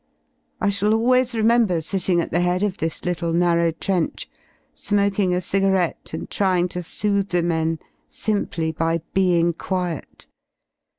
I shall always remember sitting at the head of this little narrow trench, smoking a cigarette and trying to soothe the men simply byTemg quiet.